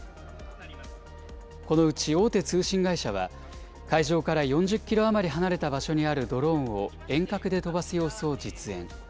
このうち大手通信会社は、会場から４０キロ余り離れた場所にあるドローンを遠隔で飛ばす様子を実演。